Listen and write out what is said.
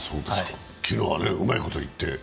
昨日はうまいこといって。